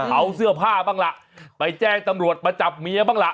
เอาเสื้อผ้าบ้างล่ะไปแจ้งตำรวจมาจับเมียบ้างล่ะ